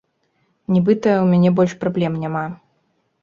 Нібыта, у мяне больш праблем няма.